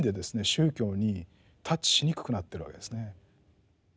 宗教にタッチしにくくなってるわけですね。